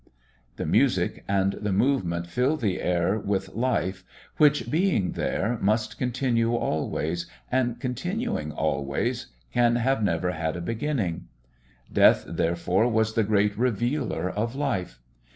The music and the movement filled the air with life which, being there, must continue always, and continuing always can have never had a beginning. Death, therefore, was the great revealer of life.